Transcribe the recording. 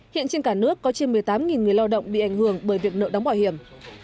hiện trên cả nước có trên một mươi tám người lao động bị ảnh hưởng bởi việc nợ đóng bảo hiểm